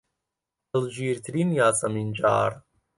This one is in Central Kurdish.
دڵگیرترین یاسەمینجاڕ